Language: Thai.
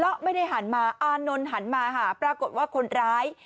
เพราะไม่ได้หันมาอานนท์หันมาหาปรากฏว่าคนร้าย